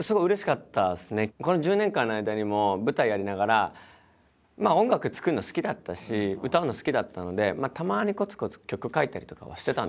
この１０年間の間にも舞台やりながらまあ音楽作るの好きだったし歌うの好きだったのでたまにこつこつ曲書いたりとかはしてたんですよ。